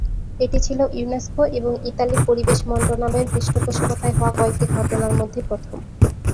এটা ছিল ইউনেস্কো এবং ইতালির পরিবেশ মন্ত্রণালয়ের পৃষ্ঠপোষকতায় হওয়া কয়েকটি ঘটনার মধ্যে প্রথম।